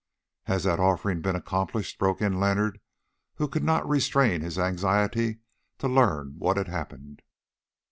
"Has that offering been accomplished?" broke in Leonard, who could not restrain his anxiety to learn what had happened.